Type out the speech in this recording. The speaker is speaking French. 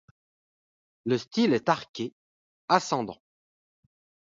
Le style est arqué ascendant.